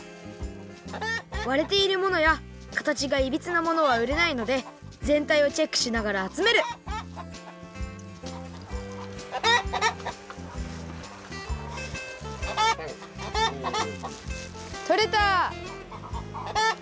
われているものやかたちがいびつなものはうれないのでぜんたいをチェックしながらあつめるとれた！